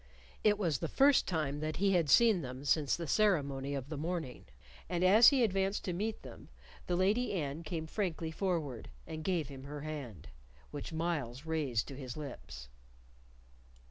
It was the first time that he had seen them since the ceremony of the morning, and as he advanced to meet them, the Lady Anne came frankly forward, and gave him her hand, which Myles raised to his lips.